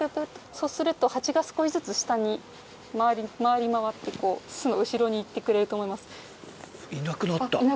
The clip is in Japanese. そうするとハチが少しずつ下に回りまわってこう巣の後ろに行ってくれると思います。